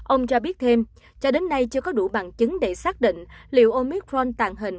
ông cho biết thêm cho đến nay chưa có đủ bằng chứng để xác định liệu omicron tàn hình